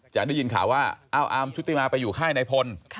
ได้ยินข่าวว่าอาร์มชุติมาไปอยู่ค่ายนายพล